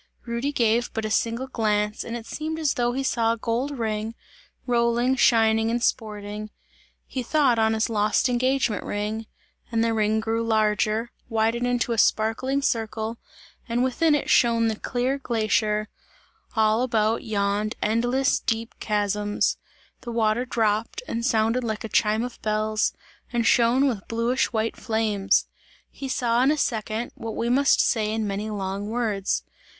Rudy gave but a single glance and it seemed as though he saw a gold ring, rolling, shining and sporting he thought on his lost engagement ring and the ring grew larger, widened into a sparkling circle and within it shone the clear glacier; all about yawned endless deep chasms; the water dropped and sounded like a chime of bells, and shone with bluish white flames. He saw in a second, what we must say in many long words.